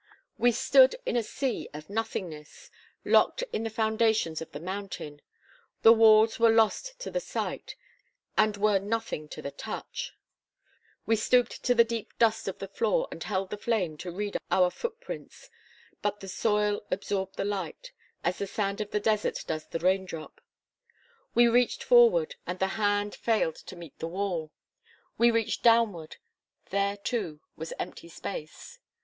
We stood in a sea of nothingness locked in the foundations of the mountain. The walls were lost to the sight, and were nothing to the touch. We stooped to the deep dust of the floor and held the flame to read our foot prints; but the soil absorbed the light, as the sand of the desert does the raindrop. We reached forward, and the hand failed to meet the wall; we reached downward; there, too, was empty space.